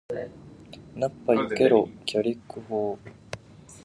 ナッパ避けろー！ギャリック砲ー！